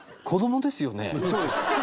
そうです。